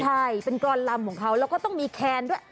ใช่เป็นกรอนลำของเขาแล้วก็ต้องมีแคนด้วย